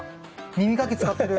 耳かき使ってる。